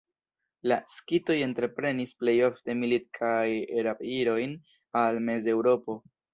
La skitoj entreprenis plej ofte milit- kaj rab-irojn al Mezeŭropo.